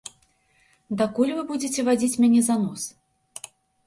Дакуль вы будзеце вадзіць мяне за нос?